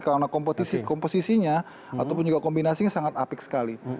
karena komposisinya ataupun juga kombinasinya sangat apik sekali